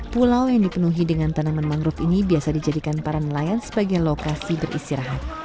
pulau yang dipenuhi dengan tanaman mangrove ini biasa dijadikan para nelayan sebagai lokasi beristirahat